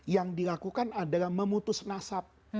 yang dilakukan adalah memutus nasab